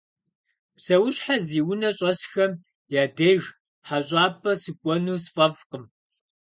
Псэущхьэ зи унэ щӏэсхэм я деж хьэщӏапӏэ сыкӏуэну сфӏэфӏкъым.